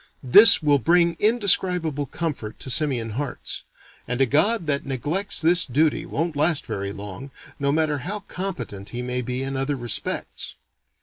This will bring indescribable comfort to simian hearts; and a god that neglects this duty won't last very long, no matter how competent he may be in other respects.